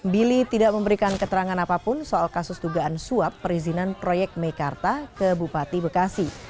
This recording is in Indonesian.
billy tidak memberikan keterangan apapun soal kasus dugaan suap perizinan proyek mekarta ke bupati bekasi